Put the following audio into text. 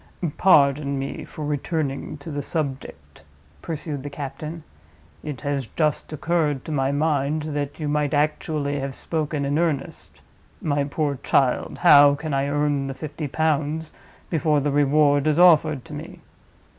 "Pardon me for returning to the subject," pursued the captain. "It has just occurred to my mind that you might actually have spoken in earnest. My poor child! how can I earn the fifty pounds before the reward is offered to me?